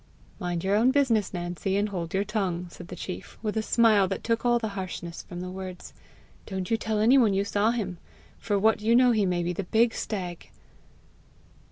"Mind your own business, Nancy, and hold your tongue," said the chief, with a smile that took all the harshness from the words. "Don't you tell any one you saw him. For what you know he may be the big stag!"